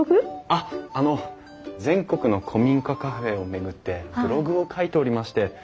あっあの全国の古民家カフェを巡ってブログを書いておりまして。